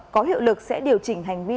có hiệu lực sẽ điều chỉnh hành vi